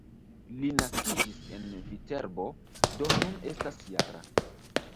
Li naskiĝis en Viterbo, do nun estas -jara.